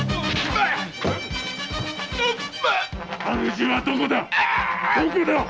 主はどこだ⁉